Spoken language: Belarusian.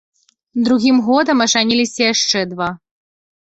Другім годам ажаніліся яшчэ два.